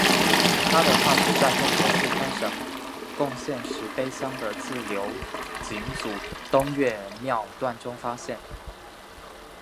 它的化石在中国四川省珙县石碑乡的自流井组东岳庙段中发现。